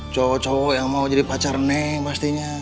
cowok cowok yang mau jadi pacar neng pastinya